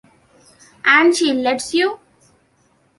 And she lets you?